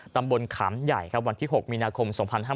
ตำบลขามใหญ่ครับวันที่๖มีนาคม๒๕๕๙